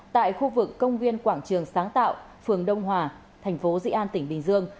tại khu vực công viên quảng trường sáng tạo phường đông hòa thành phố dị an tỉnh bình dương